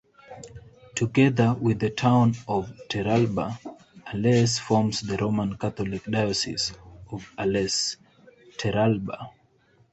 Together with the town of Terralba, Ales forms the Roman Catholic diocese of Ales-Terralba.